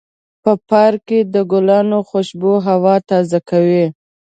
په پارک کې د ګلانو خوشبو هوا تازه کوي.